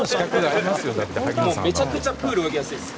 めちゃくちゃプール泳ぎやすいです。